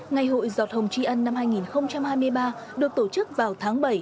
ngày hội giọt hồng tri ân năm hai nghìn hai mươi ba được tổ chức vào tháng bảy